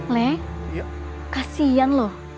den kasian lo